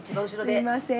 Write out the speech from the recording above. すいません。